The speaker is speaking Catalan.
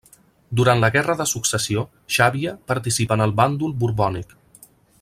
Durant la Guerra de Successió, Xàbia participa en el bàndol borbònic.